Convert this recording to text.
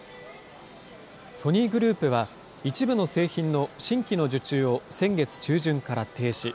ソニーグループは、一部の製品の新規の受注を先月中旬から停止。